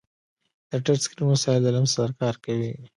د ټچ اسکرین وسایل د لمس سره کار کوي.